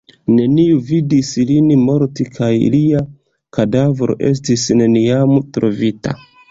Neniu vidis lin morti kaj lia kadavro estis neniam trovita.